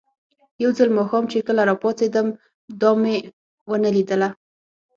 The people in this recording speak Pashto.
یو ځل ماښام چې کله راپاڅېدم، دا مې ونه لیدله.